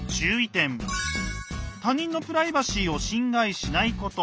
他人のプライバシーを侵害しないこと。